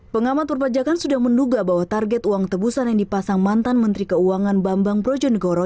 pengamat perpajakan sudah menduga bahwa target uang tebusan yang dipasang mantan menteri keuangan bambang brojonegoro